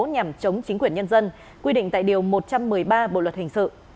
nhằm chống chính quyền nhân dân quy định tại điều một trăm một mươi ba bộ luật hình sự